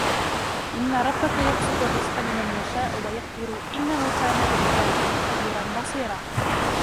إِنَّ رَبَّكَ يَبْسُطُ الرِّزْقَ لِمَنْ يَشَاءُ وَيَقْدِرُ إِنَّهُ كَانَ بِعِبَادِهِ خَبِيرًا بَصِيرًا